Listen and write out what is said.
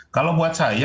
kalau buat saya